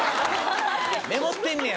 メモってんねや。